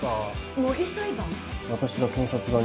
模擬裁判？